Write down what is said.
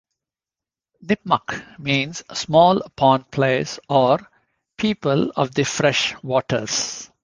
"Nipmuc" means "small pond place" or "people of the fresh waters".